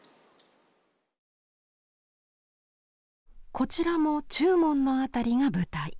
こちらも中門の辺りが舞台。